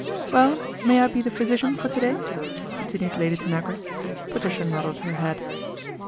" Well, may I be the physician for to day ? continued Lady Tanagra. Patricia nodded her head.